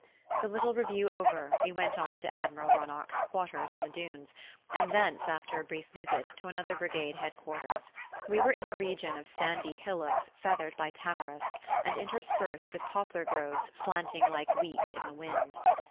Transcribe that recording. The little review over, we went on to Admiral Ronarc'h's quarters in the dunes, and thence, after a brief visit, to another brigade Head quarters. We were in a region of sandy hillocks feathered by tamarisk, and interspersed with poplar groves slanting like wheat in the wind.